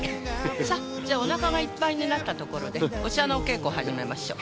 さっじゃあおなかがいっぱいになったところでお茶のお稽古始めましょう。